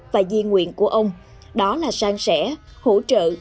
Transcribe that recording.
và di nguyện của ông đó là sang sẻ hỗ trợ